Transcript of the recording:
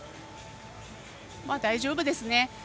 大丈夫ですね。